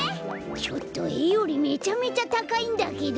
ちょっとえよりめちゃめちゃたかいんだけど。